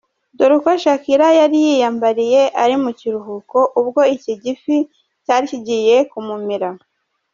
Dore uko shakira yari yiyambariye ari mu kiruhuko ubwo iki gifi cyari kigiye kumumira.